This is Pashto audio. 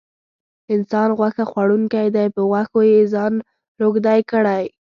انسان غوښه خوړونکی دی په غوښو یې ځان روږدی کړی.